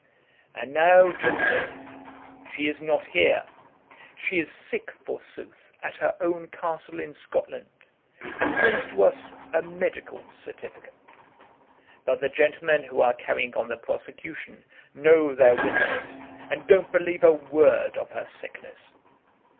"And now, gentlemen, she is not here. She is sick forsooth at her own castle in Scotland, and sends to us a medical certificate. But the gentlemen who are carrying on the prosecution know their witness, and don't believe a word of her sickness.